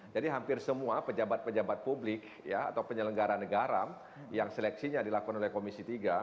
jadi hampir semua pejabat pejabat publik atau penyelenggaran negara yang seleksinya dilakukan oleh komisi tiga